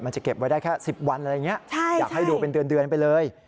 มันจะเก็บไว้ได้แค่๑๐วันอยากให้ดูเป็นเดือนไปเลย